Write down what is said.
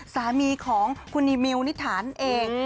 สามีของคุณนิมิวนิถานเอง